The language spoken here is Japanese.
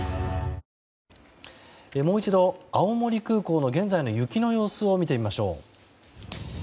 もう一度、青森空港の現在の雪の様子を見てみましょう。